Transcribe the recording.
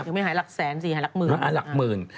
ยังไม่หายหลักแสนสิหายลักหมื่น